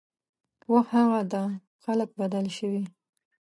وخت هغه ده خلک بدل شوي